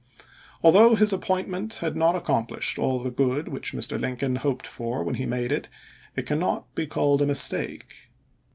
Although his ap pointment had not accomplished all the good which Mr. Lincoln hoped for when he made it, it cannot be called a mistake.